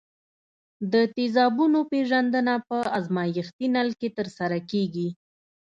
د تیزابونو پیژندنه په ازمیښتي نل کې ترسره کیږي.